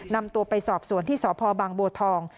นำตัวไปสอบสวนที่สพบางบัวทอง